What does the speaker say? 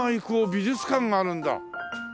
美術館があるんだ。